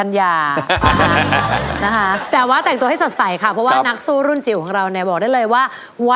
ใช่เพราะนี่กี่โมงแล้วฮะ